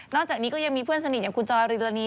จากนี้ก็ยังมีเพื่อนสนิทอย่างคุณจอยริรณี